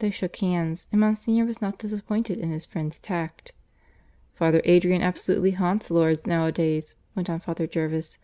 They shook hands, and Monsignor was not disappointed in his friend's tact. "Father Adrian absolutely haunts Lourdes nowadays," went on Father Jervis.